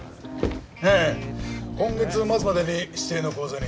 ええ今月末までに指定の口座に。